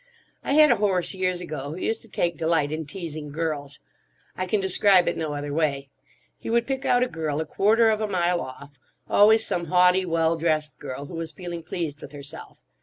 I had a horse years ago who used to take delight in teasing girls. I can describe it no other way. He would pick out a girl a quarter of a mile off; always some haughty, well dressed girl who was feeling pleased with herself.